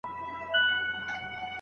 د هغوی د ژوند په اړه بې پروايي ونه سوه.